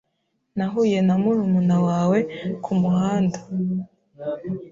Nahuye na murumuna wawe kumuhanda.